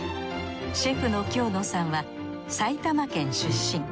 シェフの興野さんは埼玉県出身。